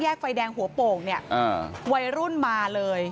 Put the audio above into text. ไฟแดงหัวโป่งเนี่ยวัยรุ่นมาเลย